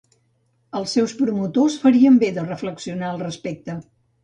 Els seus promotors farien be de reflexionar al respecte.